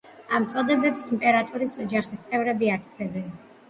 ამ წოდებებს იმპერატორის ოჯახის წევრები ატარებდნენ.